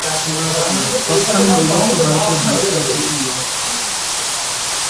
তৎকালীন অবিভক্ত ভারতের ভাইসরয় ছিলেন লর্ড হার্ডিঞ্জ।